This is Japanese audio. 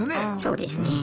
そうですね。